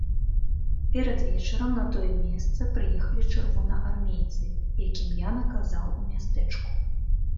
Перад вечарам на тое месца прыехалі чырвонаармейцы, якім я наказаў у мястэчку.